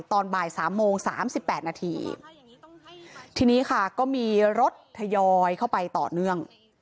ตอนบ่าย๓โมง๓๘นาทีทีนี้ค่ะก็มีรถทยอยเข้าไปต่อเนื่อง